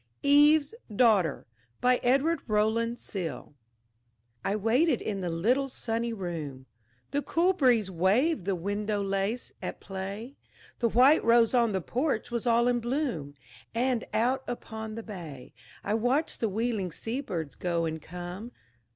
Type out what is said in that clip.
_ EVE'S DAUGHTER BY EDWARD ROWLAND SILL I waited in the little sunny room: The cool breeze waved the window lace, at play, The white rose on the porch was all in bloom, And out upon the bay I watched the wheeling sea birds go and come.